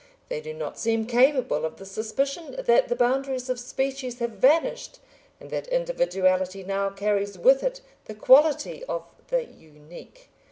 They do not seem capable of the suspicion that the boundaries of species have vanished, and that individuality now carries with it the quality of the unique!